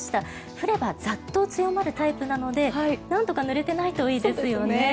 降ればざっと強まるタイプなのでなんとかぬれてないといいですね。